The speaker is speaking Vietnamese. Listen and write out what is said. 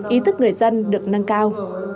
ý thức người dân được nâng cao